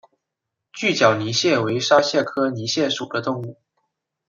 锯脚泥蟹为沙蟹科泥蟹属的动物。